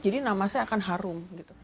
jadi nama saya akan harum